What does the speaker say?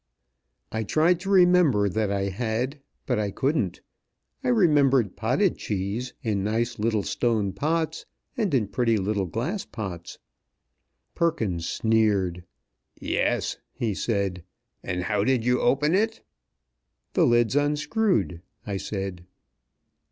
I tried to remember that I had, but I couldn't. I remembered potted cheese, in nice little stone pots, and in pretty little glass pots. Perkins sneered. "Yes," he said, "and how did you open it?" "The lids unscrewed," I said.